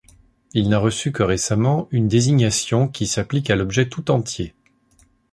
Il n'a reçu que récemment une désignation qui s'applique à l'objet tout entier.